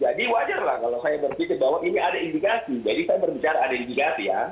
wajar lah kalau saya berpikir bahwa ini ada indikasi jadi saya berbicara ada indikasi ya